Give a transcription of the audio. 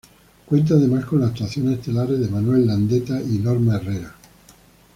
Cuenta además con las actuaciones estelares de Manuel Landeta y Norma Herrera.